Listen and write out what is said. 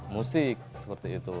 musik seperti itu